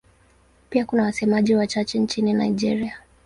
Pia kuna wasemaji wachache nchini Nigeria.